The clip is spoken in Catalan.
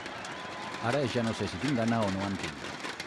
Ara ja no sé si tinc gana o no en tinc.